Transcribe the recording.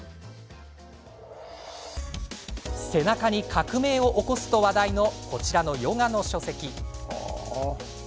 背中に革命を起こすと話題のこちらのヨガの書籍。